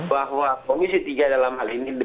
bahwa komisi tiga dalam hal ini